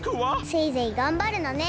せいぜいがんばるのね。